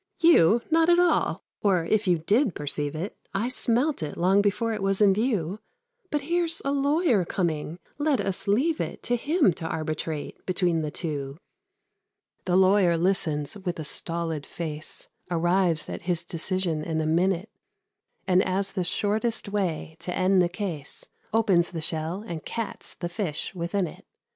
"You? Not at all; or, if you did perceive it, I smelt it long before it was in view; But here's a lawyer coming let us leave it To him to arbitrate between the two." The lawyer listens with a stolid face, Arrives at his decision in a minute; And, as the shortest way to end the case, Opens the shell and cats the fish within it.